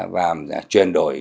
và chuyển đổi